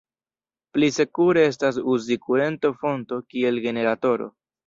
Pli sekure estas uzi kurento-fonto kiel generatoro.